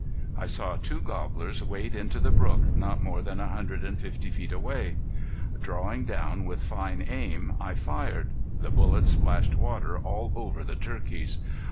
I saw two gobblers wade into the brook not more than a hundred and fifty feet away. Drawing down with fine aim I fired. The bullet splashed water all over the turkeys.